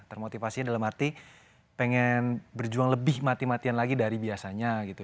termotivasinya dalam arti pengen berjuang lebih mati matian lagi dari biasanya gitu